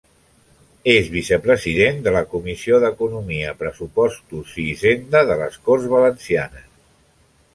És vicepresident de la Comissió d'Economia, Pressupostos i Hisenda de les Corts Valencianes.